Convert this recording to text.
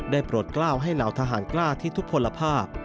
โปรดกล้าวให้เหล่าทหารกล้าที่ทุกผลภาพ